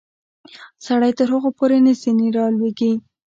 سړی تر هغو پورې نه ځینې رالویږي.